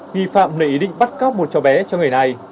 nghi phạm lại ý định bắt cóc một chó bé cho người này